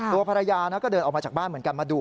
ตัวภรรยาก็เดินออกมาจากบ้านเหมือนกันมาดู